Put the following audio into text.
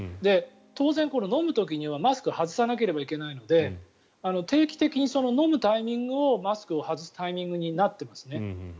当然、飲む時にはマスクを外さなければならないので定期的に飲むタイミングがマスクを外すタイミングになっていますね。